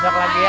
juga lagi ya